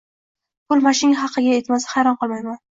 puli mashinka haqiga yetmasa, hayron qolmayman.